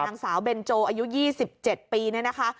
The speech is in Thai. นางสาวเบนโจอายุ๒๗ปีเนี่ยนะคะ